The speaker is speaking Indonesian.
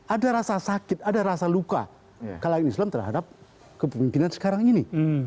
ada rasa sakit ada rasa luka kalahin islam terhadap kepemimpinan sekarang ini